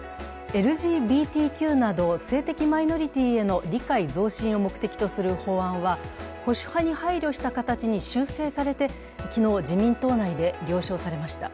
ＬＧＢＴＱなど性的マイノリティーへの理解増進を目的とする法案は保守派に配慮した形に修正されて昨日、自民党内で了承されました。